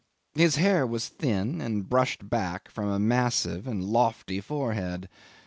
His hair was thin, and brushed back from a massive and lofty forehead.